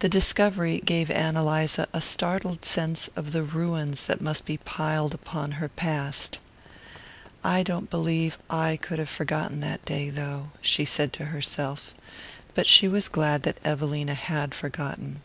The discovery gave Ann Eliza a startled sense of the ruins that must be piled upon her past. "I don't believe I could have forgotten that day, though," she said to herself. But she was glad that Evelina had forgotten.